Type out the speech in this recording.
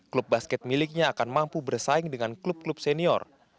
klub basket miliknya akan mampu bersaing dengan klub klub senior